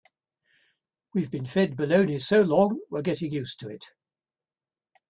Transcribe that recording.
We've been fed baloney so long we're getting used to it.